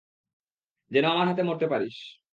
যেন আমার হাতে মরতে পারিস!